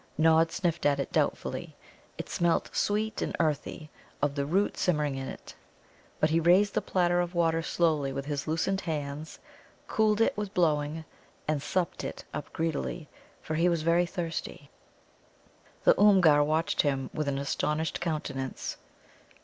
Nod sniffed it doubtfully. It smelt sweet and earthy of the root simmering in it. But he raised the platter of water slowly with his loosened hands, cooled it with blowing, and supped it up greedily, for he was very thirsty. The Oomgar watched him with an astonished countenance.